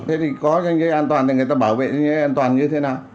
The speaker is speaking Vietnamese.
thế thì có danh giấy an toàn thì người ta bảo vệ danh giấy an toàn như thế nào